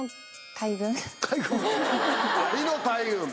アリの大群。